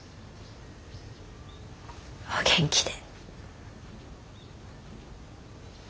お元気で。